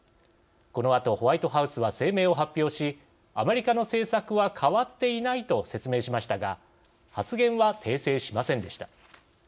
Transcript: このあと、ホワイトハウスは声明を発表し「アメリカの政策は変わっていない」と説明しましたが発言は訂正しませんでした。